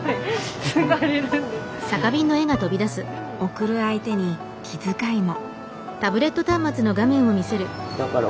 送る相手に気遣いも。